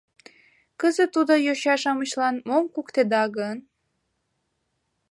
Кызыт тудо йоча-шамычлан мом куктеда гын?